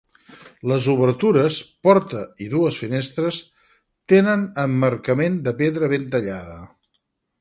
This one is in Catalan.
Les obertures -porta i dues finestres-, temen emmarcament de pedra ben tallada.